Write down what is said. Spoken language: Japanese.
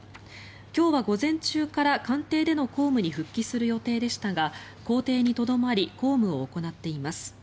今日は午前中から官邸での公務に復帰する予定でしたが公邸にとどまり公務を行っています。